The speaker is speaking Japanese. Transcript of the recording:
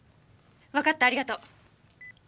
わかったありがとう。